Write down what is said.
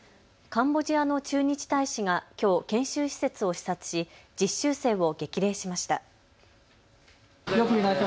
カンボジアの駐日大使がきょう研修施設を視察し実習生を激励しました。